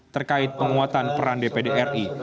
terkait penguatan peran dpdri